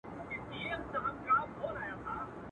نه دي زما مستي په یاد نه دي یادېږم.